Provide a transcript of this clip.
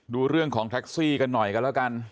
ดูเรื่องของแท็กซี่กันหน่อยกันแล้วกัน